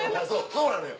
そうなのよ